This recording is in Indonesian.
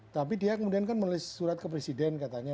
tapi dia kemudian kan menulis surat ke presiden katanya